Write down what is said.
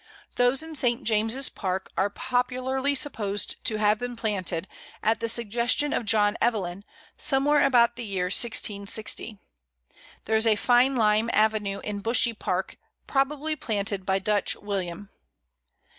Those in St. James's Park are popularly supposed to have been planted, at the suggestion of John Evelyn, somewhere about the year 1660. There is a fine Lime avenue in Bushey Park, probably planted by Dutch William.